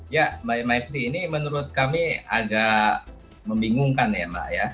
ya mbak maifri ini menurut kami agak membingungkan ya mbak ya